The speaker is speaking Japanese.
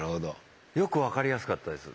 よく分かりやすかったです。